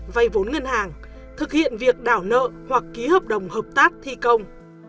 vay vốn ngân hàng thực hiện việc đảo nợ hoặc ký hợp đồng hợp tác thi công